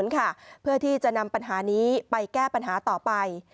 เพื่อที่จะนำปัญหานี้ไปแก้ปัญหาต่อไป